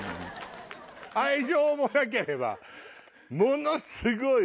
愛情もなければものすごい。